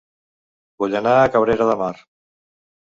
Vull anar a Cabrera de Mar